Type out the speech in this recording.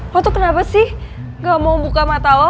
lo tuh kenapa sih gak mau buka mata lo